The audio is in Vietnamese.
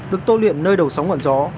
được tô luyện nơi đầu sóng ngọn gió